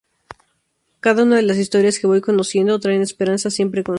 Cada una de las historias que voy conociendo, traen esperanza siempre consigo.